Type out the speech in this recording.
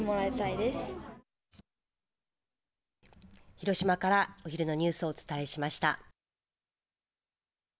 広島からお昼のニュースをお伝えしました。